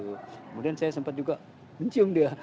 kemudian saya sempat juga mencium dia